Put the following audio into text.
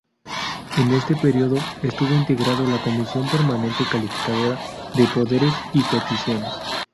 En este período estuvo integrando la Comisión permanente Calificadora de Poderes y Peticiones.